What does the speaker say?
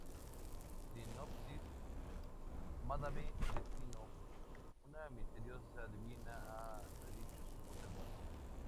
Sinopsis: Madame Destino, una misteriosa adivina, ha predicho su propia muerte.